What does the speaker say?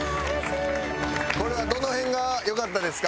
これはどの辺が良かったですか？